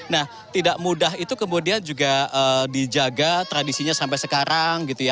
nah tidak mudah itu kemudian juga dijaga tradisinya sampai sekarang gitu ya